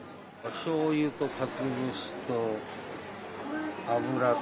しょうゆとかつぶしと、油と。